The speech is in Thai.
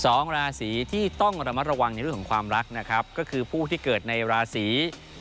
สองราศีที่ต้องระมัดระวังในเรื่องของความรักนะครับก็คือผู้ที่เกิดในราศี